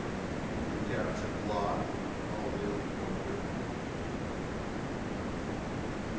He recaptured Lot and all the other plunder.